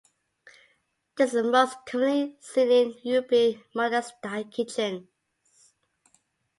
This is most commonly seen in European modular-style kitchens.